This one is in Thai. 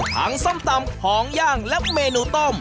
ทั้งส้ำตำผองย่างและเมนูต้ม